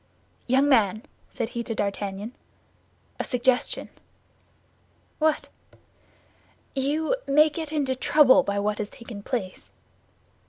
"Young man," said he to D'Artagnan, "a suggestion." "What?" "You may get into trouble by what has taken place."